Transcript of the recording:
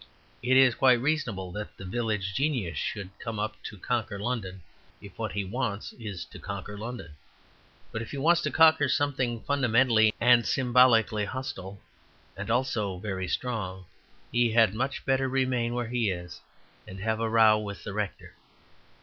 It is quite reasonable that the village genius should come up to conquer London if what he wants is to conquer London. But if he wants to conquer something fundamentally and symbolically hostile and also very strong, he had much better remain where he is and have a row with the rector.